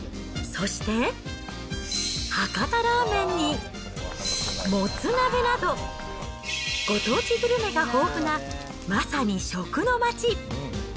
そして博多ラーメンに、もつ鍋など、ご当地グルメが豊富な、まさに食の街。